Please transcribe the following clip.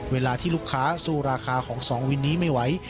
เวลาที่ลูกค้าสู้ราคาของสองวินนี้ไม่ไหว